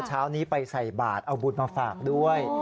เช้านี้ไปใส่บาทเอาบุตรมาฝากด้วย